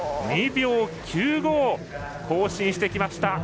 ２秒９５更新してきました。